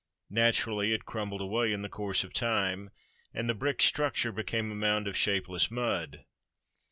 Naturally it crumbled away in the course of time, and the brick structure became a mound of shapeless mud.